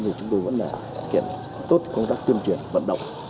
thì chúng tôi vẫn kiện tốt công tác tuyên truyền vận động